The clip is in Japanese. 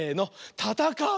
「たたかう」！